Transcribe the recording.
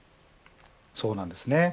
そうなんですね。